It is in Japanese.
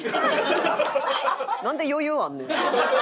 なんで余裕あんねん。